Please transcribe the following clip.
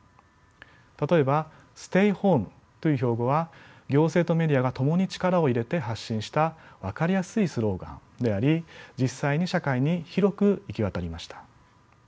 例えばステイホームという標語は行政とメディアが共に力を入れて発信した分かりやすいスローガンであり実際に社会に広く行き渡りました。